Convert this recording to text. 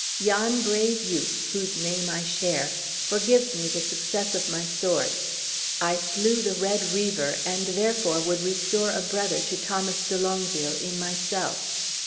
Yon brave youth, whose name I share, forgives me the success of my sword. I slew the red Reaver, and therefore would restore a brother to Thomas de Longueville, in myself.